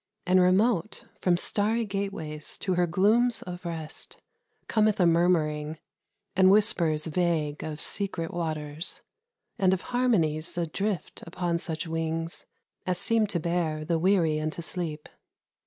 And remote, From starry gateways to her glooms of rest, Cometh a murmuring, and whispers vague Of secret waters, and of harmonies Adrift upon such wings as seem to bear The weary unto sleep.